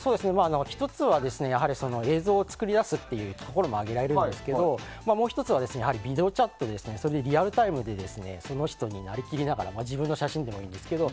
１つはやはり、映像を作り出すっていうところも挙げられるんですけどももう１つはビデオチャットでリアルタイムでその人になりきりながら自分の写真でもいいんですけど。